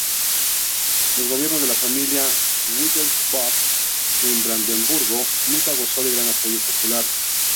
Los gobierno de la familia Wittelsbach en Brandenburgo nunca gozó de gran apoyo popular.